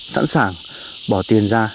sẵn sàng bỏ tiền ra